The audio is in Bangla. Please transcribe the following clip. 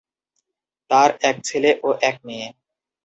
তার এক ছেলে ও এক মেয়ে।